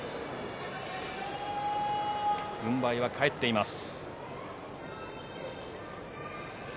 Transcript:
軍配は返っています。